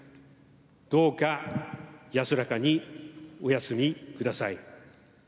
どうか安らかにお休みください。